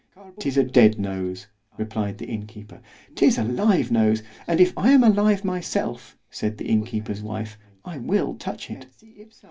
'Tis a dead nose, replied the inn keeper. 'Tis a live nose, and if I am alive myself, said the inn keeper's, wife, I will touch it.